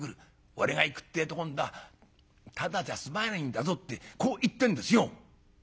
『俺が行くってえと今度はただじゃ済まないんだぞ』ってこう言ってんですよ」。